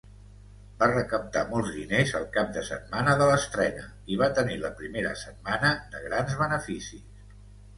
Va recaptar molts diners el cap de setmana de l'estrena i va tenir la primera setmana de grans beneficis.